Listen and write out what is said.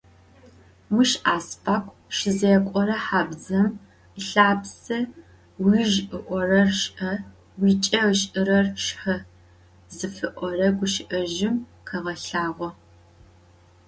Мыщ азыфагу щызекӏорэ хабзэм ылъапсэ «Уижъ ыӏорэр шӏэ, уикӏэ ышӏырэр шхы» зыфиӏорэ гущыӏэжъым къегъэлъагъо.